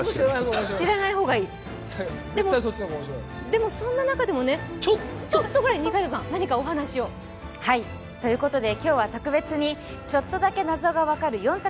でも、そんな中でもちょっとぐらい、二階堂さん、何かお話を。ということで今日は特別にちょっとだけ謎が分かる４択